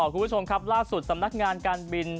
คุณผู้ชมครับล่าสุดสำนักงานการบิน